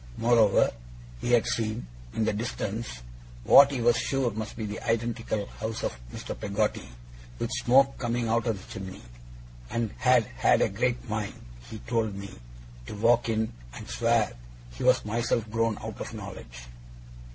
Moreover, he had seen, in the distance, what he was sure must be the identical house of Mr. Peggotty, with smoke coming out of the chimney; and had had a great mind, he told me, to walk in and swear he was myself grown out of knowledge.